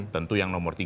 tentu yang nomor tiga